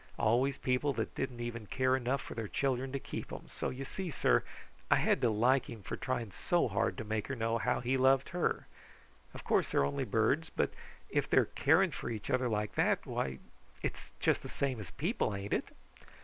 Always people that didn't even care enough for their children to keep them, so you see, sir, I had to like him for trying so hard to make her know how he loved her. Of course, they're only birds, but if they are caring for each other like that, why, it's just the same as people, ain't it?"